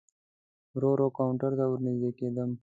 ورو ورو کاونټر ته ور نږدې کېدم.